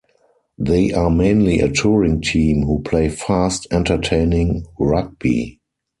They are mainly a touring team who play fast entertaining rugby.